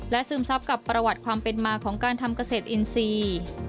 ซึมซับกับประวัติความเป็นมาของการทำเกษตรอินทรีย์